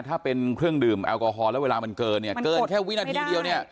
ถ้าเป็นเครื่องดื่มแอลกอฮอล์แล้วเวลามันเกินแค่วินาทีเดียว